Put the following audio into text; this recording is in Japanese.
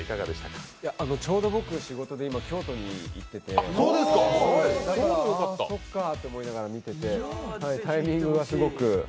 ちょうど僕、仕事で京都に行ってて、ああそっかって思いながら見ててタイミングがすごく。